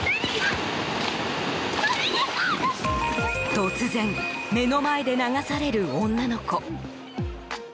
突然目の前で流される女の子。